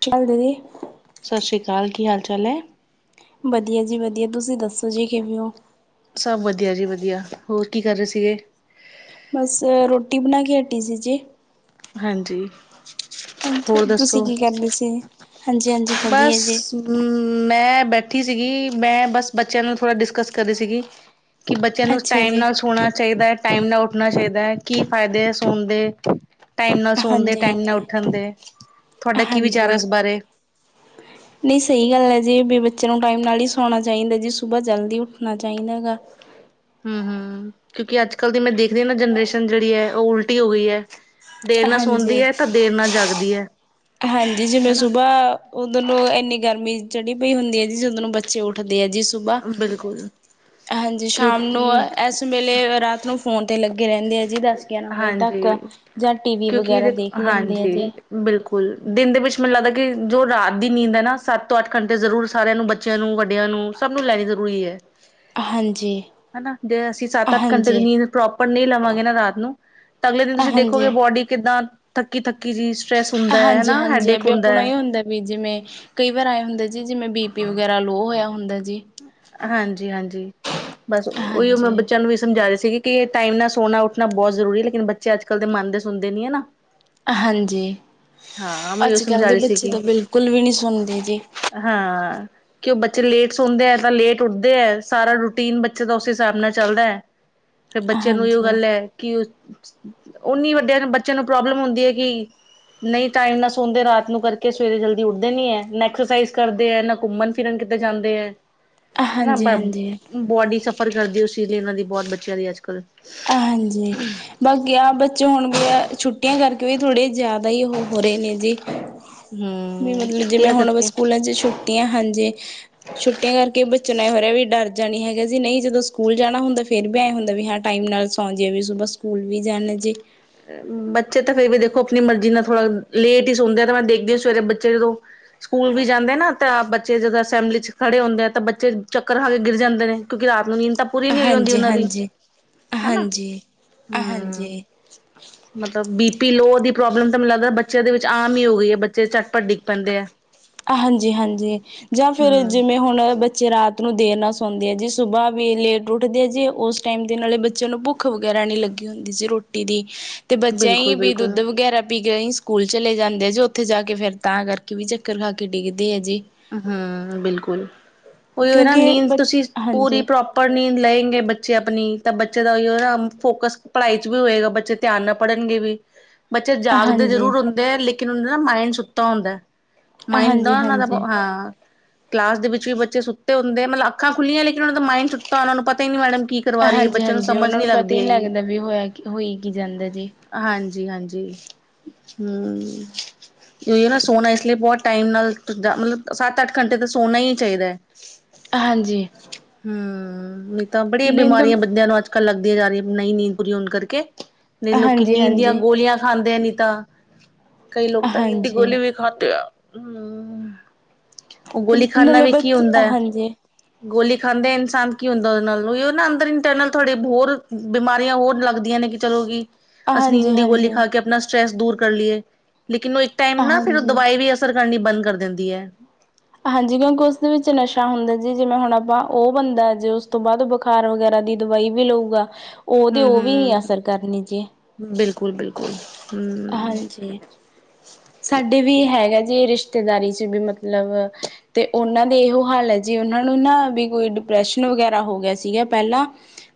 ਕੀ ਹਾਲ ਦੀਦੀ? ਚਾ ਹਾਲ ਕੀ ਹਾਲ ਚਾਲ ਹੈ? ਵਧੀਆ ਜੀ ਵਧੀਆ ਤੁਸੀਂ ਦੱਸੋ ਜੀ ਕਿਵੇਂ ਹੋ? ਸਭ ਵਧੀਆ ਜੀ ਵਧੀਆ ਹੋਰ ਕੀ ਕਰ ਰਹੇ ਸੀਗੇ? ਪੀ ਜੀ ਜੀ। ਹਾਂਜੀ। ਹੋਰ ਜੀ ਤੁਸੀਂ ਦੱਸੋ? ਕੀ ਕਰਦੇ ਸੀ? ਹਾਂਜੀ-ਹਾਂਜੀ ਵਧੀਆ ਬਸ ਜੀ ਮੈਂ ਬੈ ਬੈਠੀ ਸੀਗੀ ਮੈਂ ਬਸ ਬੱਚਿਆਂ ਨੂੰ ਥੋੜਾ ਡਿਸਕਸ ਕਰ ਰਹੀ ਸੀਗੀ। ਕਿ ਬੱਚਿਆਂ ਨੂੰ ਅੱਛਾ ਟਾਈਮ ਜੀ। ਨਾਲ ਸੋਣਾ ਚਾਹੀਦਾ ਹੈ ਟਾਈਮ ਨਾਲ ਉੱਠਣਾ ਚਾਹੀਦਾ ਹੈ ਕੀ ਫਾਇਦੇ ਹੈ ਸੋਣ ਦੇ ਟਾਈਮ ਨਾਲ ਸੋਣਦੇ ਟਾਈਮ ਹਾਂਜੀ-ਹਾਂਜੀ, ਨਾਲ ਹਾਂਜੀ ਉਠਣ ਦੇ ਤੁਹਾਡਾ ਕੀ ਵਿਚਾਰ ਹੈ ਇਸ ਬਾਰੇ [inaudible] ਨਹੀ ਸਹੀ ਗੱਲ ਹੈ। ਜੀ ਬੱਚਿਆਂ ਨੂੰ ਟਾਈਮ ਨਾਲ ਹੀ ਸੋਉਣਾ ਚਾਹੀਦਾ ਜੀ ਸੁਬਾਹ ਜਲਦੀ ਉਠਣਾ ਚਾਹੀਦਾ ਹੈਗਾ। ਹਾ- ਹਾ ਕਿਉਕਿ ਅੱਜ ਕਲ ਦੀ ਮੈਂ ਦੇਖਦੀ ਹਾਂ ਨਾ ਜਨਰੇਸ਼ਨ ਜਿਹੜੀ ਹੈ ਉਹ ਉਲਟੀ ਹੋ ਗਈ ਹੈ। ਦੇਰ ਨਾਲ ਸੋਂਦੀ ਹਾਂਜੀ। ਹੈ ਤਾਂ ਦੇਰ ਨਾਲ ਜਗਦੀ ਹੈ। ਹਾਂਜੀ ਜਿਵੇਂ ਹਨਾ ਸੁਬਾਹ ਉਧਰੋ ਨੂੰ ਇਨੀ ਗਰਮੀ ਚੜੀ ਪਈ ਹੁੰਦੀ ਹੈ ਜੀ ਜਦੋ ਬੱਚੇ ਉਠਦੇ ਆ ਜੀ ਸੁਬਾ ਬਿਲਕੁਲ। ਹਾਂਜੀ ਸ਼ਾਮ ਨੂੰ ਕਿਉਂਕਿ ਇਸ ਵੇਲੇ ਰਾਤ ਨੂੰ ਫੋਨ ਤੇ, ਲੱਗੇ ਰਹਿੰਦੇ ਆ। ਜੀ ਦਸ, ਗਿਆਰਾਂ ਵਜੇ ਤੱਕ। ਹਾਂਜੀ ਜਾਂ, ਟੀਵੀ ਕਿਉਂਕਿ ਵਗੈਰਾ ਇਹਦੇ ਦੇਖ ਲੈਂਦੇ ਆ ਹਾਂਜੀ ਜੇ। ਬਿਲਕੁਲ ਦਿਨ ਦੇ ਵਿਚ ਮੈਨੂੰ ਲਗਦਾ ਕਿ, ਜੋ ਰਾਤ ਦੀ ਨੀਂਦ ਹੈ, ਨਾ ਸੱਤ ਤੋਂ ਅਠ ਘੰਟੇ ਜਰੂਰ ਸਾਰਿਆਂ ਨੂੰ, ਬੱਚਿਆਂ ਨੂੰ, ਵੱਡਿਆਂ ਨੂੰ ਸਭ ਨੂੰ ਲੈਣੀ ਜਰੂਰੀ ਹੈ। ਹਾਂਜੀ ਹਨਾ। ਜੇ ਅਸੀ ਸੱਤ, ਅਠ ਘੰਟੇ ਦੀ ਹਾਂਜੀ ਨੀਂਦ ਪ੍ਰੌਪਰ ਨਹੀ ਲਵਾਂਗੇ ਨਾ ਰਾਤ ਨੂੰ ਤੇ, ਅਗਲੇ ਦਿਨ ਤੁਸੀ ਦੇਖੋਗੇ ਹਾਂਜੀ ਬੋਡੀ ਕਿੱਦਾ ਥੱਕੀ- ਥੱਕੀ ਜੀ ਸਟਰ੍ਰੈਸ ਹੁੰਦਾ ਹੈ ਹਾਂਜੀ- ਹਨਾ ਹਾਂਜੀ। ਹੈਡੇਕ ਵੀ ਹੁੰਦਾ ਆਪਣਾ ਹੈ ਇਹ ਹੁੰਦਾ ਵੀ ਜਿਵੇਂ, ਕਈ ਵਾਰ ਆਂਏ ਹੁੰਦੇ ਜੀ ਜਿਵੇਂ ਬੀਪੀ ਵਗੈਰਾ ਲੋਅ ਹੋਇਆ ਹੁੰਦਾ ਜੀ ਹਾਂਜੀ- ਹਾਂਜੀ। ਬਸ। ਉਹੀ ਮੈਂ ਹਾਂਜੀ ਬੱਚਿਆਂ ਨੂੰ ਵੀ ਸਮਝਾ ਰਹੇ ਸੀਗੇ ਕਿ, ਇਹ ਟਾਈਮ ਨਾਲ ਸੋਨਾ, ਉੱਠਣਾ ਬਹੁਤ ਜ਼ਰੂਰੀ ਲੇਕਿਨ ਬੱਚੇ ਅੱਜ-ਕਲ ਦੇ ਮਨਦੇ ਸੁਣਦੇ ਨੀ ਹੈਨਾ ਹਾਂਜੀ। ਮੈਂ ਉਹ ਅੱਜ-ਕਲ ਸਮਝਾ ਦੇ ਰਹੀ ਬੱਚੇ ਸੀਗੀ ਤਾਂ, ਬਿਲਕੁਲ ਵੀ ਨਹੀ ਸੋਂਦੇ ਜੀ। ਹਾਂ ਕਿ ਉਹ ਬੱਚੇ ਲੇਟ- ਸੋਂਦੇ ਹੈ ਤਾਂ, ਲੇਟ ਉਠਦੇ ਹੈ। ਸਾਰਾ ਰੂਟੀਨ ਬੱਚੇ ਦਾ ਉਸ ਹਿਸਾਬ ਨਾਲ ਚਲਦਾ ਹੈ। ਫੇਰ ਬੱਚਿਆਂ ਨੂੰ ਇਹ ਹਾਂਜੀ ਗੱਲ ਹੈ ਕਿ ਓਨੀ ਵਡਿਆਂ ਬੱਚਿਆਂ ਨੂੰ ਪ੍ਰੋਬਲਮ ਹੁੰਦੀ ਹੈ ਕਿ ਨਹੀ, ਟਾਈਮ ਨਾ ਸੋਂਦੇ ਰਾਤ ਨੂੰ, ਕਰਕੇ ਸਵੇਰੇ ਜਲਦੀ ਉਠਦੇ ਨਹੀ ਹੈ। ਨਾ ਐਕਸਰਸਾਈਜ਼ ਕਰਦੇ ਹੈ, ਨਾ ਘੁੰਮਣ, ਫਿਰਨ ਕੀਤੇ ਜਾਂਦੇ ਐ ਹਨਾ ਹਾਂਜੀ ਹਾਂਜੀ ਬੋਡੀ ਸਫ਼ਰ ਕਰਦੀ ਉਸ ਚੀਜ਼ ਲਈ, ਉਹਨਾ ਦੀ ਬਹੁਤ ਬੱਚਿਆਂ ਦੀ ਅੱਜ-ਕਲ ਹਾਂਜੀ। ਬਾਕੀ ਆਹ ਬੱਚੇ ਹੁਣ ਵੀ, ਛੁੱਟੀਆਂ ਕਰਕੇ ਵੀ ਥੋੜ੍ਹੀਆਂ ਕੁਜ ਜ਼ਿਆਦਾ ਹੀ, ਹੋ, ਰਹੇ ਨੇ, ਜੇ। ਹਮ ਵੀ ਮਤਲਬ ਜਿਵੇ ਛੁੱਟੀਆਂ ਹੁਣ ਕਰਕੇ ਸਕੂਲਾ'ਚ' ਛੁੱਟੀਆਂ ਹਾਂ ਜੇ ਛੁੱਟੀਆਂ ਕਰਕੇ ਬੱਚਿਆਂ ਨਾਲ ਇਹ ਹੋ ਰਿਹਾ ਵੀ, ਡਰ ਜਾਣੀ ਹੈਗਾ ਜੀ, ਨਹੀ ਜਦੋ ਸਕੂਲ ਜਾਣਾ ਹੁੰਦਾ ਫੇਰ ਵੀ ਐ ਹੁੰਦਾ ਵੀ, ਹਾਂ, ਟਾਈਮ ਨਾਲ ਸੌਂਜੀਏ ਵੀ ਸੁਬਾਹ ਸਕੂਲ ਵੀ ਜਾਣ ਜੇ ਬੱਚੇ ਤਾਂ ਕਈ ਵੀ ਦੇਖੋ ਆਪਣੀ ਮਰਜ਼ੀ ਨਾਲ ਥੋੜਾ ਲੇਟ ਹੀ ਸੋਂਦੇ ਆ, ਤੇ ''ਮੈਂ ਦੇਖਦੀ ਹ ਸਵੇਰੇ ਬੱਚੇ ਜਦੋ ਸਕੂਲ ਵੀ ਜਾਂਦੇ ਨਾ ਤਾਂ ਬੱਚੇ ਜਦੋਂ ਅਸੈਂਬਲੀ'ਚ' ਖੜੇ ਹੁੰਦੇ ਆ ਤਾਂ, ਬੱਚੇ ਚੱਕਰ ਖਾਕੇ ਗਿਰ ਜਾਂਦੇ ਨੇ, ਕਿਉਕਿ ਰਾਤ ਨੂੰ ਨੀਦ ਤਾਂ ਪੁੂਰੀ ਨਹੀ ਹੋਈ ਹੋਂਦੀ ਹਾਂਜੀ ਓਨਾਂ ਦੀ ਹਾਂਜੀ ਹਨਾ, ਹਾਂਜੀ ਹੂੰ ਹਾਂਜੀ ਮਤਲਬ ਬੀਪੀ ਲੋ ਦੀ ਪ੍ਰੋਬਲਮ ਤਾਂ, ਮੈਨੂੰ ਲੱਗਦਾ ਬੱਚਿਆਂ ਦੇ ਵਿਚ, ਆਮ ਹੀ ਹੋ ਗਈ ਹੈ। ਬੱਚੇ ਝਟਪੱਟ ਡਿਗ ਪੈਂਦੇ ਆ। ਹਾਂਜੀ- ਹਾਂਜੀ, ਜਾਂ ਫਿਰ ਹਮ ਜਿਵੇ ਹੁਣ ਬੱਚੇ ਰਾਤ ਰਾਤ ਨੂੰ ਦੇਰ ਨਾਲ ਸੋੱਦੇ ਆ ਜੇ, ਸੁਬਾਹ ਵੀ ਲੇਟ ਉਠਦੇ ਆ, ਜੇ ਉਸ ਟਾਈਮ ਦੇ ਨਾਲੇ ਬੱਚਿਆਂ ਨੂੰ ਭੁੱਖ ਵਗੈਰਾ ਨਹੀ ਲਗਦੀ। ਕੀ ਹੁੰਦੀ ਸੀ, ਰੋਟੀ ਦੀ। ਤੇ ਬੱਚਿਆਂ ਹੀ ਬਿਲਕੁਲ ਵੀ ਬਿਲਕੁਲ ਦੁੱਧ ਵਗੈਰਾ ਪੀਕੇ ਹੀ ਸਕੂਲ ਚਲੇ ਜਾਦੇ ਜੇ, ਉਥੇ ਜਾਕੇ ਫਿਰ ਤਾਂ ਕਰਕੇ ਵੀ ਕਰ ਖਾਕੇ ਡਿਗਦੇ ਆਜੀ। ਹੂੰਬਿਲਕੁਲ ਉਹੀ ਹੋਏ ਨਾ, ਕਿਉਂਕਿ ਨੀਂਦ ਬ ਤੁਸੀ ਪੂਰੀ ਹਾਂਜੀ ਪ੍ਰੋਪਰ ਨੀਦ ਲਏ ਬੱਚੇ ਆਪਣੀ ਤਾਂ, ਬੱਚੇ ਦਾ ਉਹ ਨਾ ਫੋਕਸ ਪੜ੍ਹਾਈ'ਚ' ਵੀ ਹੋਏਗਾ, ਬੱਚੇ ਧਿਆਨ ਨਾ ਪੜ੍ਹਨਗੇ ਵੀ ਬੱਚੇ ਜਾਗਦੇ ਹਾਂਜੀ ਜਰੂਰ ਹੁੰਦੇ, ਲੇਕਿਨ ਮਾਇੰਡ ਸੁੱਤਾ ਹੁੰਦਾ। ਮਾਇੰਡ ਹਾਂਜੀ- ਨਾ ਉਹਨਾਂ ਦਾ ਹਾਂਜੀ। ਹਾਂ ਕਲਾਸ ਦੇ ਵਿਚ ਵੀ ਬੱਚੇ ਸੁਤੇ ਹੁੰਦੇ ਆ, ਮਤਲਬ। ਅੱਖਾਂ ਖੁੱਲੀਆਂ ਲੇਕਿਨ ਉਹਨਾਂ ਦਾ ਮਾਇੰਡ ਸੁਤਾ ਉਹਨਾ ਨੂੰ ਪਤਾ ਹੀ, ਨੀ ਮੈਡਮ ਕੀ ਕਰਵਾ ਰਹੀ ਹੈ। ਹਾਂਜੀ ਬੱਚਿਆਂ ਨੂੰ ਹਾਂਜੀ ਸਮਝ ਉਹਨਾਂ ਨੀ ਪਤਾ ਲਗਦੀ ਹੀ ਨਹੀਂ ਹੇਗੀ ਲੱਗਦਾ ਵੀ ਹੋਇਆ ਹੋਈ ਕੀ ਜਾਂਦਾ ਜੀ ਹਾਂਜੀ ਜੀ, ਹਾਂਜੀ ਹੂੰ, ਉਹੀ ਹੈ, ਨਾ ਸੋਨਾ ਇਸ ਲਈ ਬਹੁਤ ਟਾਈਮ ਨਾਲ ਜਾਂ ਮਤਲਬ ਸੱਤਅੱਠ ਘੰਟੇ ਤਾਂ ਸੋਨਾ ਹੀ ਚਾਹੀਦਾ ਹੈ। ਹਾਂਜੀ। ਹਮ ਨਹੀਂ ਤਾਂ ਬੜੀ ਨਹੀਂ ਤਾਂ ਬਿਮਾਰੀਆਂ ਬੰਦਿਆਂ ਨੂੰ, ਅੱਜ- ਕੱਲ ਲੱਗਦੀਆਂ ਜਾ ਰਹੀਆਂ। ਨਹੀਂ ਨੀਂਦ ਪੂਰੀ ਹੋਣ ਕਰਕੇ। ਮਲ ਹਾਂਜੀ ਕਿੰਨੀ ਦੀਆਂ ਹਾਂਜੀ ਗੋਲੀਆਂ ਖਾਂਦੇ ਨੀ, ਤਾਂ ਕਈ ਲੋਕ ਤਾ, ਨੀਂਦ ਦੀ ਹਾਂਜੀ ਗੋਲੀ ਵੀ ਖਾਂਦੇ ਆ। ਹੂੰ, ਉਹ ਤੇ ਗੋਲੀ ਖਾਨਾ ਨਾਲੇ ਵੀ ਕੀ ਬੱਚੇ ਹੁੰਦਾ ਹੈ। ਹਾਂਜੀ ਗੋਲੀ ਖਾਂਦੇ ਇਨਸਾਨ ਕੀ ਹੁੰਦਾਦੇ ਨਾਲ ਉਹ ਨਾ ਅੰਦਰ ਇੰਟਰਨਲ ਥੋੜੇ ਹੋਰ ਬਿਮਾਰੀਆਂ ਹੋਰ ਲੱਗਦੀਆਂ ਨੇ। ਕਿ ਚਲੋਗੀ ਅਸੀਂ ਹਾਂਜੀ ਹਿੰਦੀ ਹਾਂਜੀ ਗਲੀਿਖਾ ਕੇ ਆਪਣਾ ਸਟ੍ਰੈਸ। ਦੂਰ ਕਰ ਲਈਏ ਲੇਕਿਨ ਉਹ ਇੱਕ ਟਾਈਮ ਨਾ ਫਿਰ ਹਾਂਜੀ ਦਵਾਈ ਵੀ ਅਸਰ ਕਰਨੀ ਬੰਦ ਕਰ ਦਿੰਦੀ ਹੈ। ਹਾਂਜੀ ਕਿਉਂਕਿ ਉਸਦੇ ਵਿੱਚ ਨਸ਼ਾ ਹੁੰਦਾ ਜੀ ਜਿਵੇਂ ਹੁਣ ਆਪਾਂ ਉਹ ਬੰਦਾ ਜੇ ਉਸ ਤੋਂ ਬਾਅਦ ਬੁਖਾਰ ਵਗੈਰਾ ਦੀ ਦਵਾਈ ਵੀ ਲਊਗਾ ਉਹ ਤੇ ਹਮ ਉਹ ਵੀ ਹੀ ਅਸਰ ਹਮ ਕਰਨੀ ਜੇ। ਬਿਲਕੁਲ ਬਿਲਕੁਲ। ਹਮ ਹਾਂਜੀ ਸਾਡੇ ਵੀ ਹੈਗਾ। ਜੇ ਰਿਸ਼ਤੇਦਾਰੀ ਚ ਵੀ ਮਤਲਬ ਤੇ ਉਹਨਾਂ ਦੇ ਇਹੋ ਹਾਲ ਹੈ ਜੇ ਉਹਨਾਂ ਨੂੰ ਨਾ ਵੀ ਕੋਈ। ਡਿਪਰੈਸ਼ਨ ਵਗੈਰਾ ਹੋ ਗਿਆ ਸੀਗਾ ਪਹਿਲਾਂ।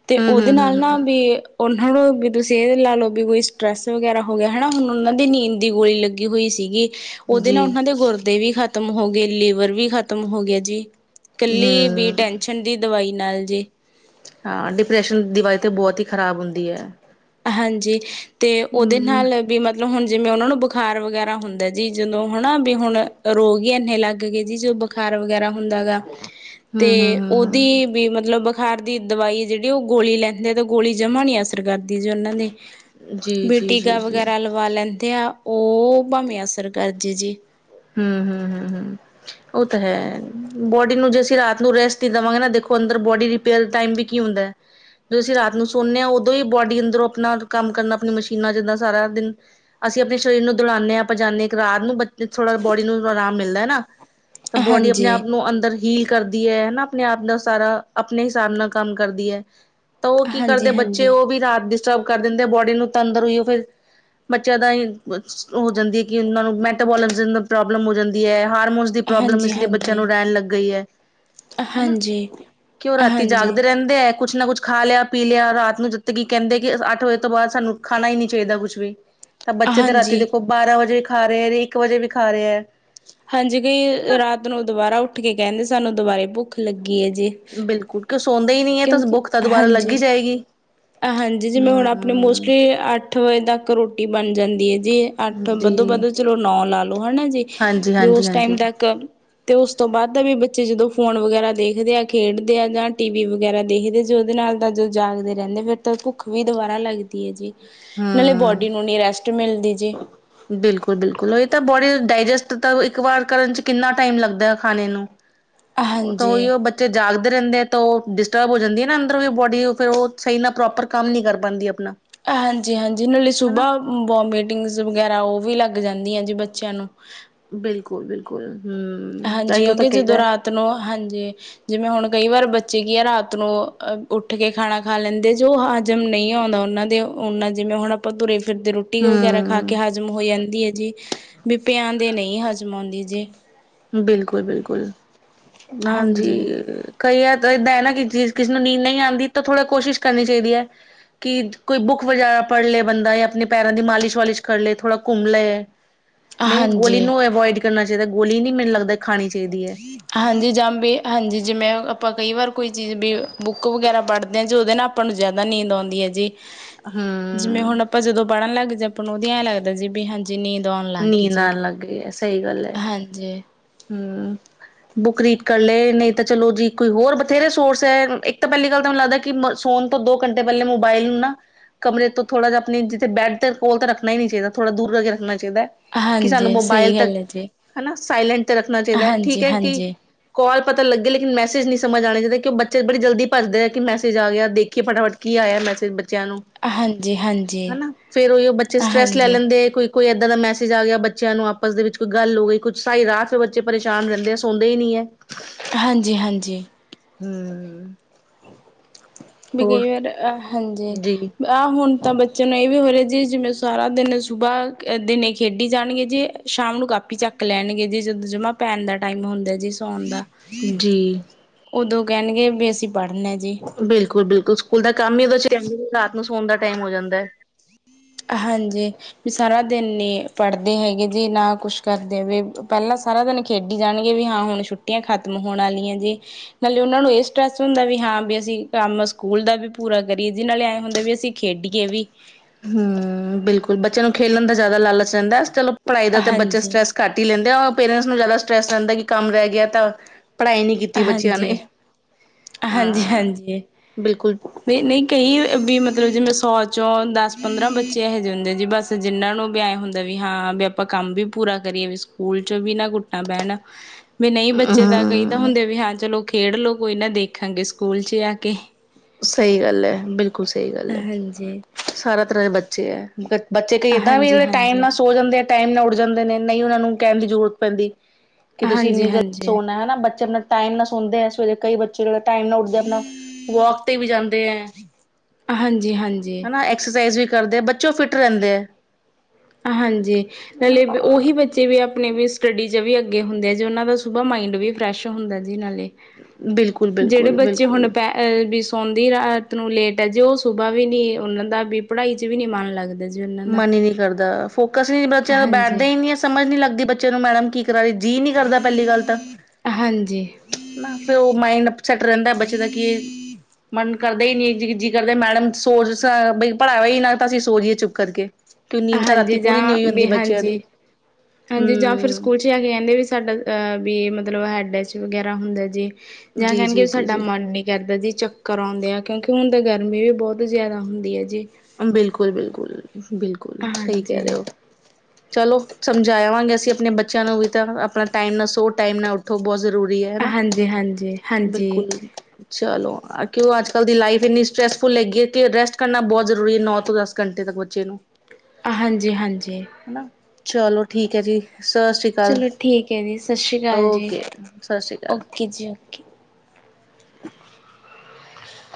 ਤੇ ਹਮ ਉਹਦੇ ਹਮ ਨਾਲ ਹਮ ਹਮ ਨਾ ਵੀ ਉਹਨਾਂ ਨੂੰੋ ਵੀ ਤੁਸੀਂ ਇਹ ਲਾ ਲਓ ਵੀ ਕੋਈ ਸਟਰ੍ਰੈਸ ਵਗੈਰਾ। ਹੋ ਗਿਆ ਹਨਾ ਹੁਣ ਉਹਨਾਂ ਦੀ ਨੀਂਦ ਦੀ ਗੋਲੀ ਲੱਗੀ ਹੋਈ ਸੀਗੀ ਉਹਦੇ ਜੀ ਨਾਲ ਉਹਨਾਂ ਦੇ ਗੁਰਦੇ ਵੀ ਖਤਮ ਖਤਮ ਹੋ ਗ ਲੀਵਰ ਵੀ ਖਤਮ ਹੋ ਗਿਆ ਜੀ ਇਕੱਲੀ ਬ ਹਮ ਟੈਨਸ਼ਨ ਦੀ ਦਵਾਈ। ਨਾਲ ਜੇ ਹਾਂ ਡਿਪਰੈਸ਼ਨ ਦੀਵਾਲ ਤੇ ਬਹੁਤ ਹੀ ਖ਼ਰਾਬ ਹੁੰਦੀ ਹੈ। ਹਾਂਜੀ ਤੇ ਉਹਦੇ ਹਮ ਨਾਲ ਵੀ ਮਤਲ ਮਤਲਬ ਹੁਣ ਜਿਵੇਂ ਉਹਨਾਂ ਨੂੰ ਬੁਖ਼ਾਰ ਵਗੈਰਾ ਹੁੰਦਾ ਜੀ ਜਦੋਂ ਹਨਾ। ਵੀ ਹੁਣ ਰੋਗ ਹੀ ਇੰਨੇ ਲੱਗ ਗਏ ਜੀ ਜੋ। ਬੁਖਾਰ ਵਗੈਰਾ ਹੁੰਦਾ ਗਾ ਤੇ ਹਮ ਹਮ ਹਮ ਉਹਦੀ ਹਮ ਵੀ ਮਤਲਬ ਬੁਖਾਰ ਦੀ ਦਵਾਈ ਜਿਹੜੀ ਉਹ ਗੋਲੀ ਲੈਂਦੇ ਆ, ਤਾਂ ਗੋਲੀ ਜਮ੍ਹਾਂ ਨਹੀਂ ਅਸਰ ਕਰਦੀ ਜੀ, ਉਹਨਾਂ ਦੇ ਜੀ ਬੀ, ਜੀ ਜੀ ਟੀਕਾ ਜੀ ਵਗੈਰਾ ਲਵਾ ਲੈਂਦੇ ਆ। ਉਹ, ਭਾਵੇਂ ਅਸਰ ਕਰਜੇ ਜੇ। ਹਮ ਹਮ ਹਮ ਹਮ ਉਹ ਤਾਂ ਹੈ ਬੋਡੀ ਨੂੰ, ਜੇ ਅਸੀਂ ਰਾਤ ਨੂੰ ਰੈਸਟ ਦੇਵਾਂਗੇ ਨਾ, ਦੇਖੋ ਅੰਦਰ ਬੋਡੀਰਿਪੇਅਰ ਟੈਮ ਵੀ, ਕੀ ਹੁੰਦਾ‌। ਜਦ ਅਸੀ ਰਾਤ ਨੂੰ ਸੋਨਦੇ ਹਾਂ ਉਦੋਂ ਹੀ ਬੋਡੀ ਅੰਦਰੋਂ ਆਪਣਾ ਕੰਮ ਕਰਨਾ ਆਪਣੀ ਮਸ਼ੀਨਾਂ ਜਿੱਦਾਂ ਸਾਰਾ ਦਿਨ ਅਸੀਂ ਆਪਣੇ ਸਰੀਰ ਨੂੰ ਦੌਲਾਾਂਦੇ ਹਾਂ ਜਾਂਦੇ ਹ ਇੱਕ ਰਾਤ ਨੂੰ ਬੱਚ ਥੋੜਾ ਬੋਡੀ ਨੂੰ ਆਰਾਮ ਮਿਲਦਾ ਹਨਾ। ਤਾਂ ਬੋਡੀ ਆਪਣੇ ਹਾਂਜੀ ਆਪ ਨੂੰ ਅੰਦਰ ਹੀਲ ਕਰਦੀ ਹੈ ਹਨਾ। ਆਪਣੇ ਆਪ ਦਾ ਸਾਰਾ ਆਪਣੇ ਹਿਸਾਬ ਨਾਲ ਕੰਮ ਕਰਦੀ ਹੈ। ਤਾਂ ਉਹ ਕੀ ਕਰਦੇ ਹਾਂਜੀ ਬੱਚੇ ਹਾਂਜੀ ਉਹ ਵੀ ਡਿਸਟਰਬ ਕਰ ਦਿੰਦੇ ਬੋਡੀ ਨੂੰ ਤੰਦਰ ਹੋਈ ਫਿਰ। ਬੱਚਿਆਂ ਦਾ ਹੀ ਹੋ ਜਾਂਦੀ ਹੈ। ਕਿ ਉਹਨਾਂ ਨੂੰ ਮੈਟਾਬੋਲ ਪ੍ਰੋਬਲਮ ਹੋ ਜਾਂਦੀ ਹੈ। ਹਾਰਮੋਨਸ ਦੀ ਪ੍ਰੋਬਲਮ ਹਾਂਜੀ ਇਸ ਲਈ ਬੱਚਿਆਂ ਨੂੰ ਹਾਂਜੀ ਰਹਿਣ ਲੱਗ ਗਈ ਹੈ। ਹਨਾ ਹਾਂਜੀ ਕਿ ਉਹ ਰਾਤੀ ਹਾਂਜੀ ਜਾਗਦੇ ਰਹਿੰਦੇ ਹੈ। ਕੁਛ ਨਾ ਕੁੱਛ ਖਾ ਲਿਆ ਪੀ ਲਿਆ ਰਾਤ ਨੂੰ ਜਿੱਦ ਕਿ ਕਹਿੰਦੇ ਕਿ ਅੱਠ ਵਜੇ ਤੋਂ ਬਾਅਦ ਸਾਨੂੰ ਖਾਣਾ ਹੀ ਨੀ ਚਾਹੀਦਾ ਕੁੱਛ ਵੀ ਤਾਂ ਬੱਚੇ ਤਾਂ ਰਾਤੀ ਹਾਂਜੀ ਦੇਖੋ ਬਾਰਾਂ ਵਜੇ ਵੀ ਖਾ ਰਹੇ ਹੈ ਇੱਕ ਵਜੇ ਵੀ ਖਾ ਰਹੇ ਹੈ। ਹਾਂਜੀ ਕਈ ਹਨਾ ਰਾਤ ਨੂੰ ਦੁਬਾਰਾ ਉੱਠ ਕੇ ਕਹਿੰਦੇ ਸਾਨੂੰ ਦੁਬਾਰੇ ਭੁੱਖ ਲੱਗੀ। ਹੈ ਜੀ। ਬਿਲਕੁਲ ਕਿਉਂ ਸੌਂਦਾ ਹੀ ਨਹੀਂ ਹੈ ਕਿਉਂਕਿ ਬੁੱਖ ਤਾਂ ਦੁਬਾਰਾ ਲੱਗੀ ਹਾਂਜੀ। ਜਾਏਗੀ। ਹਾਂਜੀ ਜਿਵੇਂ ਹੁਣ ਆਪਣੇ ਹੂੰ ਮੋਸਟਲੀ ਅੱਠ ਵਜੇ ਤੱਕ ਰੋਟੀ ਬਣ ਜਾਂਦੀ ਹੈ। ਜੀ ਅੱਠ ਵੱਧੋ ਜੀ ਵੱਧ ਚਲੋ ਨੌ ਲਾ ਲੋੋ ਹਨਾ ਜੀ ਹਾਂਜੀ ਵੀ ਹਾਂਜੀ ਉਸ ਹਾਂਜੀ ਟਾਈਮ ਤੱਕ ਤੇ ਉਸ ਤੋਂ ਬਾਅਦ ਦਾ ਵੀ ਬੱਚੇ ਜਦੋਂ ਫੋਨ ਵਗੈਰਾ ਦੇਖਦੇ ਆ ਖੇਡਦੇ ਆ ਜਾਂ ਟੀ ਵੀ ਵਗੈਰਾ ਦੇਖਦੇ ਜ ਉਹਦੇ ਨਾਲ ਤਾਂ ਜੋ ਜਾਗਦੇ। ਰਹਿੰਦੇ ਫੇਿਰ ਤਾਂ ਭੁੱਖ ਵੀ ਦੁਬਾਰਾ ਲੱਗਦੀ ਹੈ ਜੀ ਨਾਲੇ ਹੂੰ ਬੋਡੀ ਨੂੰ ਨੀ ਰੈਸਟ ਮਿਲਦੀ ਜੀ। ਬਿਲਕੁਲ ਬਿਲਕੁਲ ਹੀ ਤਾਂ ਬੋਡੀ ਡਾਇਜਸਟ ਇੱਕ ਵਾਰ ਕਰਨ ਚ ਕਿੰਨਾ ਟਾਈਮ ਲੱਗਦਾ ਹੈ ਖਾਣੇ ਨੂੰ। ਉਹ ਤਾਂ ਉਹੀ ਹਾਂਜੀ। ਉਹ ਬੱਚੇ ਜਾਗਦੇ ਰਹਿੰਦੇ ਤਾਂ ਉਹ ਡਿਸਟਰਬ ਹੋ ਜਾਂਦੀ ਹੈ ਨਾ ਅੰਦਰ ਵੀ ਬੋਡੀ ਫਿਰ ਉਹ ਸਹੀ ਨਾਲ ਪ੍ਰੋਪਰ ਕੰਮ ਨੀ ਕਰ ਪਾਉਦੀ ਆਪਣਾ ਹਾਂਜੀ ਹਾਂਜੀ ਇਹ ਲਈ ਹਨਾ ਸੁਬਾ ਵੋਮਟਿੰਗ ਵਗੈਰਾ ਉਹ ਵੀ ਲੱਗ ਜਾਂਦੀਆਂ ਜੀ ਬੱਚਿਆਂ ਨੂੰ ਬਿਲਕੁਲ, ਬਿਲਕੁਲ ਹੂੰ ਹਾਂਜੀ ਤਾਂਹੀਓ ਤਾਂ ਕਿਉਂਕਿ ਜਦੋਂ ਕਹੀਦਾ ਰਾਤ ਨੂੰ ਹਾਂਜੀ ਜਿਵੇਂ ਹੁਣ ਕਈ ਵਾਰ ੱਚਗੀੀਆਂ ਰਾਤ ਨੂੰ ਅਹ ਉੱਠ ਕੇ ਖਾਣਾ ਖਾ ਲੈਂਦੇ ਜੋ ਹਜ਼ਮ ਨਹੀਂ ਆਉਂਦਾ ਉਹਨਾਂ ਦੇ ਉਹਨਾਂ ਜਿ ਹੁਣ ਆਪਾਂ ਤੁਰੇ ਫਿਰਦੇ ਰੋਟੀ ਵਗੈਰਾ ਖਾ ਕੇ ਹੂੰ ਹਾਜ਼ਮ ਹੋ ਜਾਂਦੀ ਹੈ ਜੀ ਵੀ ਪਿਆ ਦੇ ਨਹੀਂ ਹਜ਼ਮ ਆਉਂਦੀ ਜੇ ਬਿਲਕੁਲ, ਬਿਲਕੁਲ ਹਾਂਜੀ ਕਈ ਵਾਰ ਯਾਰ ਏਦਾਂ ਹੈ ਨਾ, ਕਿਸੇ ਨੂੰ ਨੀਂਦ ਨਹੀਂ ਆਉਂਦੀ, ਤਾਂ ਥੋੜਾ ਕੋਸ਼ਿਸ਼ ਕਰਨੀ ਚਾਹੀਦੀ ਹੈ, ਕਿ ਕੋਈ ਬੁੱਕ ਬੁੱਕ ਵਗੈਰਾ ਪੜ੍ਹ ਲਏ ਬੰਦਾ, ਆਪਣੇ ਪੈਰਾਂ ਦੀ ਮਾਲਿਸ਼- ਵਾਲਿਸ਼ ਕਰ ਲਏ ਥੋੜਾ ਘੁੰਮ ਲਏ ਨਹੀਂ ਗੋਲੀ ਹਾਂਜੀ। ਨੂੰ ਅਵੋਇਡ ਕਰਨਾ ਚਾਹੀਦਾ, ਗੋਲੀ ਨੀ ਮੈਨੂੰ ਲੱਗਦਾ, ਖਾਣੀ ਚਾਹੀਦੀ ਹੈ ਹਾਂਜੀ ਜਮ ਵੀ, ਹਾਂਜੀ ਜਿਵੇਂ ਆਪਾਂ ਕਈ ਵਾਰ ਕੋਈ ਚੀਜ਼ ਵੀ ਬੁੱਕ ਵਗੈਰਾ ਪੜ੍ਹਦੇ ਹਾਂ, ਜੀ ਉਹਦੇ ਨਾਲ ਆਪਾਂ ਨੂੰ ਜ਼ਿਆਦਾ ਨੀਂਦ ਆਉਂਦੀ ਹੈ ਜੀ ਜਿਵੇਂ ਹਮ- ਹੁਣ [unintelligible] ਆਉਣ ਲੱਗ ਗਈ ਨੀਂਦ ਜੀ। ਆਣ ਲੱਗੇ ਹੈ, ਸਹੀ ਗੱਲ ਹੈ ਹਾਂਜੀ, ਹਮ ਬੁੱਕ ਰੀਡ ਕਰ ਲਏ ਨਹੀਂ ਤਾਂ ਚਲੋ ਜੀ, ਕੋਈ ਹੋਰ ਬਥੇਰੇ ਸੋਰਸ ਹੈ ਇੱਕ ਤਾਂ ਪਹਿਲੀ ਗੱਲ ਤਾਂ ਮੈਨੂੰ ਲੱਗਦਾ ਕਿ- ਫੋਨ ਤੋਂ ਦੋ ਘੰਟੇ ਪਹਿਲੇ ਮੋਬਾਇਲ ਨੂੰ ਨਾ ਕਮਰੇ ਤੋਂ ਥੋੜਾ ਜਿਹਾ ਆਪਣੇ ਜਿੱਥੇ ਬੈਡ ਦੇ ਕੋਲ ਤਾਂ ਰੱਖਣਾ ਹੀ ਨੀ ਚਾਹੀਦਾ, ਥੋੜ੍ਹਾ ਦੂਰ ਕਰਕੇ ਰੱਖਣਾ ਚਾਹੀਦਾ ਕਿ ਸਾਨੂੰ ਹਾਂਜੀ ਮੋਬਾਇਲ ਸਹੀ ਤੱਕ ਗੱਲ ਹੈ ਜੀ। ਹਨਾ ਸਾਈਲੈਂਟ ਤੇ ਰੱਖਣਾ ਚਾਹੀਦਾ ਹੈ, ਠੀਕ ਹਾਂਜੀ, ਹਾਂਜੀ, ਹੈ ਕਿ ਹਾਂਜੀ, ਕਾਲ ਪਤਾ ਲੱਗੇ, ਲੇਕਿਨ ਮੈਸੇਜ ਨਹੀਂ ਸਮਝ ਆਉਣਾ ਚਾਹੀਦਾ ਕਿ ਬੱਚੇ ਬੜੀ ਜਲਦੀ ਭੱਜਦੇ ਆ, ਕਿ ਮੈੇਸਜ ਆ ਗਿਆ ਦੇਖੀਏ ਫਟਾਫਟ ਕੀ ਆਇਆ ਮੈਸੇਜ ਬੱਚੇ ਬੱਚਿਆਂ ਨੂੰ, ਹਾਂਜੀ, ਹਨਾ ਫੇਰ ਉਹੀ ਬੱਚੇ ਸਟਰੈਸ ਲੈ ਹਾਂਜੀ। ਲੈਂਦੇ ਕੋਈ ਕੋਈ ਏਦਾਂ ਦਾ ਮੈਸ ਜਾ ਗਿਆ ਬੱਚਿਆਂ ਨੂੰ ਆਪਸ ਦੇ ਵਿੱਚ ਕੋਈ ਗੱਲ ਹੋ ਗਈ ਕੁਛ, ਸਾਰੀ ਰਾਤ ਫਿਰ ਬੱਚੇ ਪਰੇਸ਼ਾਨ ਰਹਿੰਦੇ ਆ ਸੌਂਦੇ ਹੀ ਨਹੀਂ ਹੈ ਹਾਂਜੀ, ਹਾਂਜੀ ਵੀ ਹੋਰ ਕਈ ਵਾਰ ਹਾਂਜੀ ਜੀ ਆਹ ਹੁਣ ਤਾਂ ਬ ਚੈਲੋ ਇਹ ਵੀ ਹੋ ਰਿਹਾ ਜੀ ਜਿਵੇਂ ਸਾਰਾ ਦਿਨ ਸੁਬਾਹ ਦਿਨ ਖੇਡੀ ਜਾਣਗੇ ਜੀ ਸ਼ਾਮ ਨੂੰ ਕਾਪੀ ਚੱਕ ਚੱਕ ਲੈਣਗੇ ਜੀ ਜਦੋਂ ਜਮਾ ਪੈਣ ਦਾ ਟਾਈਮ ਹੁੰਦਾ ਸੌਉਣ ਦਾ ਜੀ ਉਦੋਂ ਕਹਿਣਗੇ ਵੀ ਅਸੀਂ ਪੜ੍ਹਨਾ ਜੀ। ਬਿਲਕੁਲ -ਬਿਲਕੁਲ, ਸਕੂਲ ਦਾ ਕੰਮ ਹੀ ਉਹਦੇ ਚ ਆ ਰਾਤ ਨੂੰ ਸੋਣ ਦਾ ਟਾਈਮ ਹੋ ਜਾਂਦਾ ਹੈ ਹਾਂਜੀ, ਵੀ ਸਾਰਾ ਦਿਨ ਨੀ ਪੜ੍ਹਦੇ ਹੈਗੇ ਜੀ, ਨਾ ਕੁਛ ਕਰਦੇ ਵੀ ਪਹਿਲਾਂ ਸਾਰਾ ਦਿਨ ਖੇਡੀ ਜਾਣਗੇ, ਵੀ ਹਾਂ ਹੁਣ ਛੁੱਟੀਆਂ ਖਤਮ ਹੋਣ ਵਾਲੀਆਂ, ਜੇ ਨਾਲੇ ਉਹਨਾ ਨੂੰ ਇਹ ਸਟਰੈਸ ਹੁੰਦਾ ਵੀ ਹ ਹਾਂ, ਵੀ ਅਸੀਂ ਕੰਮ ਸਕੂਲ ਦਾ ਵੀ ਪੂਰਾ ਕਰੀਏ, ਜੀ ਨਾਲੇ ਐਂ ਹੁੰਦਾ ਵੀ ਅਸੀਂ ਖੇਡੀਏ ਵੀ ਹਮ ਬਿਲਕੁਲ ਬੱਚਿਆਂ ਨੂੰ ਖੇਲਣ ਦਾ ਜ਼ਿਆਦਾ ਲਾਲਚ ਰਹਿੰਦਾ, ਚਲੋ ਪੜ੍ਹਾਈ ਦਾ ਤਾਂ ਬੱਚੇ ਹਾਂਜੀ ਸਟਰ੍ਰੈਸ ਘੱਟ ਹੀ ਲੈਂਦੇ ਪੇਰੈਂਟਸ ਨੂੰ ਜ਼ਿਆਦਾ ਸਟਰੈਸ ਰਹਿੰਦਾ ਕਿ ਕੰਮ ਰਹਿ ਗਿਆ ਤਾਂ ਪੜ੍ਹਾਈ ਨਹੀਂ ਕੀਤੀ ਬੱਚਿਆਂ ਹਾਂਜੀ ਨੇ ਹਾਂਜੀ ਹਾਂ -ਹਾਂਜੀ, ਬਿਲਕੁਲ ਨਹੀਂ- ਨਹੀਂ, ਕਈ ਵੀ ਮਤਲਬ ਜਿਵੇਂ ਸੌ ਚੋਂ ਦਸ ਪੰਦਰਾਂ ਬੱਚੇ ਇਹੋ ਜਿਹੇ ਹੁੰਦੇ ਜੀ, ਬਸ ਜਿਹਨਾਂ ਨੂੰ ਵੀ ਐਂ ਹੁੰਦਾ ਵੀ ਹਾਂ, ਵੀ ਆਪਾਂ ਕੰਮ ਵੀ ਪੂਰਾ ਕਰੀਏ ਵੀ ਸਕੂਲ ਚ ਵੀ ਨਾ, ਕੁੱਟਣਾ ਪੈਣਾ ਵੀ ਨਹੀਂ ਬੱਚੇ ਦਾ ਕਈ ਤਾਂ ਹਮ ਹੁੰਦੇ ਵੀ ਹਾਂ ਚਲੋ ਖੇਡਲੋ ਕੋਈ ਨਾ ਦੇਖਾਂਗੇ ਸਕੂਲ ਚ ਆ ਕੇ ਸਹੀ ਗੱਲ ਹੈ, ਬਿਲਕੁਲ ਸਹੀ ਗੱਲ ਹੈ, ਹਾਂਜੀ ਸਾਰਾ ਤਰ੍ਹਾਂ ਦੇ ਬੱਚੇ ਹੈ। ਬੱਚੇ ਕਈ ਏਦਾਂ ਵੀ ਹਾਂਜੀ ਹਾਂਜੀ ਜਿਹੜੇ ਟਾਈਮ ਹਾਂਜੀ ਨਾਲ ਸੋ ਜਾਂਦੇ ਆ, ਟਾਈਮ ਨਾਲ ਉੱਡ ਜਾਂਦੇ ਨੇ, ਨਹੀਂ ਉਹਨਾਂ ਨੂੰ ਕਹਿਣ ਦੀ ਜ਼ਰੂਰਤ ਪੈਂਦੀ ਕਿ ਤੁਸੀਂ ਹਾਂਜੀ ਇੰਨੀ ਜਲਦੀ ਹਾਂਜੀ ਸੋਣਾ ਹੈ ਬੱਚਿਆਂ ਦਾ ਪ ਟਾਈਮ ਨਾਲ ਸੋਂਦੇ ਦੇ ਹੈ, ਸਵੇਰੇ ਕਈ ਬੱਚੇ ਜਿਹੜੇ ਟਾਈਮ ਨਾਲ ਉੱਠਦੇ, ਆਪਣਾ ਵੋਕ ਤੇ ਵੀ ਜਾਂਦੇ ਏ ਹਾਂਜੀ, ਹਾਂਜੀ ਹਨਾ, ਐਕਸਰਸਾਈਜ਼ ਵੀ ਕਰਦੇ ਬੱਚੇ ਉਹ ਫਿੱਟ ਰਹਿੰਦੇ ਹਾਂਜੀ, ਹਨਾ ਨਾਲੇ ਉਹੀ ਬੱਚੇ ਵੀ ਆਪ ਆਪਣੇ ਵੀ ਸਟੱਡੀ ਚ ਵੀ ਅੱਗੇ ਹੁੰਦੇ ਆ ਜੀ, ਉਹਨਾਂ ਦਾ ਸੁਬਾਹ ਮਾਇੰਡ ਵੀ ਫਰੈਸ਼ ਹੁੰਦਾ ਜੀ ਨਾਲੇ ਬਿਲਕੁਲ ਜਿਹੜੇ ਬਿਲਕੁਲ ਬੱਚੇ ਹੁਣ ਬਿਲਕੁਲ ਪ ਸੌਂਦੇ ਹੀ ਰਾਤ ਨੂੰ ਲੇਟ ਹੈ, ਜੇ ਉਹ ਸੁਬਾਹ ਵੀ ਨੀ ਉਹਨਾਂ ਦਾ ਵੀ ਪੜ੍ਹਾਈ ਚ ਵੀ ਨਹੀਂ ਮਨ ਲੱਗਦਾ ਜੀ ਉਹਨਾਂ ਦਾ ਮਨ ਹੀ ਨਹੀਂ ਕਰਦਾ, ਫੋਕਸ ਵੀ ਨੀ ਬੱਚਿਆਂ ਤੋਂ ਬੈਠਦਾ ਹਾਂਜੀ ਹੀ ਨਹੀਂ ਹੈ ਸਮਝ ਨੀ ਲੱਗਦੀ ਬੱਚੇ ਨੂੰ ਮੈਡਮ ਕੀ ਕਰਾ ਰਹੀ ਜੀਅ ਨੀ ਕਰਦਾ, ਪਹਿਲੀ ਗੱਲ ਤਾਂ ਹਾਂਜੀ ਨਾ ਫਿਰ ਉਹ ਮਾਈਂਡ ਸੈਟ ਰਹਿੰਦਾ ਬੱਚੇ ਦਾ ਕੀ ਇਹ ਮਨ ਕਰਦੇ ਹੀ ਨੀ ਜੀ ਕਰਦੇ ਮੈਡਮ ਸੋਚ ਬਈ ਪੜਾਵੇ ਹੀ ਨਾ ਤਾਂ ਅਸੀਂ ਸੋ ਜੀਏ ਚੁਪ ਕਰਕੇ। ਕਿ ਨੀਂਦ ਤਾਂ ਹਾਂਜੀ ਰਾਤੀ ਪੂਰੀ ਨੀ ਹੋਈ ਜਾਂ ਵੀ ਹੁੰਦੀ ਬੱਚਿਆਂ ਹਾਂਜੀ। ਦੀ ਹਾਂਜੀ ਜਾਂ ਫਿਰ ਹਮ ਸਕੂਲ 'ਚ ਆ ਕੇ ਕਹਿੰਦੇ ਵੀ ਸਾਡਾ ਅ ਵੀ ਮਤਲਬ ਹੈਡ ਡੈਸ ਵਗੈਰਾ ਹੁੰਦਾ ਜੀ ਜਾਂ ਜੀ ਕਹਿਣਗੇ ਜੀ ਜੀ ਸਾਡਾ ਜੀ ਮਨ ਨੀ ਕਰਦਾ ਜੀ ਚੱਕਰ ਆਉਂਦੇ ਆ। ਕਿਉਂਕਿ ਹੁਣ ਤਾਂ ਗਰਮੀ ਵੀ ਬਹੁਤ ਜ਼ਿਆਦਾ ਹੁੰਦੀ ਐ ਜੀ। ਬਿਲਕੁਲ-ਬਿਲਕੁਲ, ਬਿਲਕੁਲ ਸਹੀ ਕਹਿ ਹਾਂਜੀ ਰਹੇ ਹੋ। ਚਲੋ ਸਮਝਾਇਵਾਂਗੇ ਅਸੀਂ ਆਪਣੇ ਬੱਚਿਆਂ ਨੂੰ ਵੀ ਤਾਂ ਆਪਣਾ ਟਾਈਮ ਨਾ ਸੋ ਟਾਈਮ ਨਾ ਉੱਠੋ ਬਹੁਤ ਜ਼ਰੂਰੀ ਹੁੰਦੀ ਹੈ ਹਨਾ ਹਾਂਜੀ ਹਾਂਜੀ ਹਾਂਜੀ ਬਿਲਕੁਲ। ਚਲੋ ਕਿਉ ਉਹ ਅੱਜਕੱਲ ਦੀ ਲਾਈਫ ਇੰਨੀ ਸਟਟਰੈਸਫੁੱਲ ਹੈਗੀ ਹੈ ਕਿ ਰੈਸਟ ਕਰਨਾ ਬਹੁਤ ਜ਼ ਜ਼ਰੂਰੀ ਹੈ ਨੌ ਤੋਂ ਦਸ ਘੰਟੇ ਤੱਕ ਬੱਚੇ ਨੂੰ ਹਾਂਜੀ-ਹਾਂਜੀ ਹਨਾ ਚਲੋ ਠੀਕ ਹੈ ਜੀ। ਸਤਿ ਸ਼੍ਰੀ ਅਕਾਲ ਚਲੋ ਠੀਕ ਹੈ ਜੀ ਸਤਿ ਸ਼੍ਰੀ ਅਕਾਲ ਜੀ, ਓਕੇ ਸਤਿ ਸ਼੍ਰੀ ਅਕਾਲ ਓਕੇ ਜੀ ਓਕੇ। [inaudible]